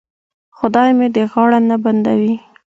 خدای مې دې غاړه نه بندوي.